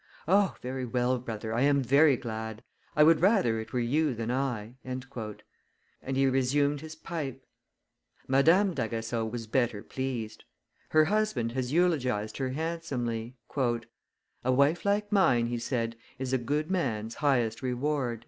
"O, very well, brother, I am very glad; I would rather it were you than I;" and he resumed his pipe. Madame D'Aguesseau was better pleased. Her husband has eulogized her handsomely. "A wife like mine," he said, "is a good man's highest reward."